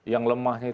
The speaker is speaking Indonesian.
yang lemah itu adalah